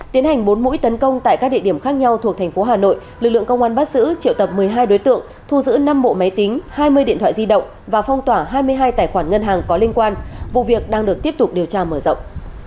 tiến hành bốn mũi tấn công tại các địa điểm khác nhau thuộc thành phố hà nội lực lượng công an bắt giữ triệu tập một mươi hai đối tượng thu giữ năm bộ máy tính hai mươi điện thoại di động và phong tỏa hai mươi hai tài khoản ngân hàng có liên quan vụ việc đang được tiếp tục điều tra mở rộng